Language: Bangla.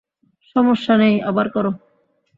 সমস্যা নেই, আবার করো।